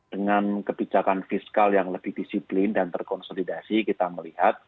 dengan kebijakan fiskal yang lebih disiplin dan terkonsolidasi kita melihat